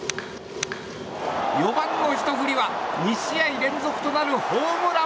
４番のひと振りは２試合連続となるホームラン！